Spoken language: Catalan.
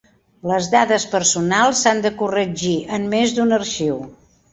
Les dades personals s'han de corregir en més d'un arxiu.